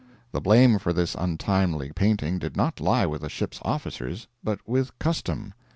The blame for this untimely painting did not lie with the ship's officers, but with custom.